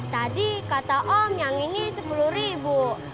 tadi kata om yang ini sepuluh ribu